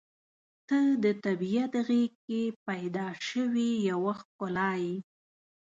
• ته د طبیعت غېږ کې پیدا شوې یوه ښکلا یې.